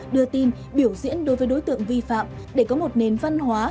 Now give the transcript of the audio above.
đưa tin biểu diễn đối với đối tượng vi phạm để có một nền văn hóa